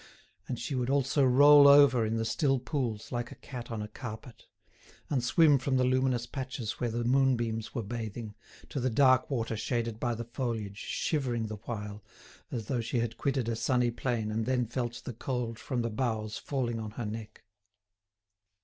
And she would also roll over in the still pools like a cat on a carpet; and swim from the luminous patches where the moonbeams were bathing, to the dark water shaded by the foliage, shivering the while, as though she had quitted a sunny plain and then felt the cold from the boughs falling on her neck.